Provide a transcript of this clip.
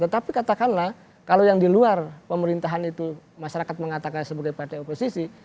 tetapi katakanlah kalau yang di luar pemerintahan itu masyarakat mengatakan sebagai partai oposisi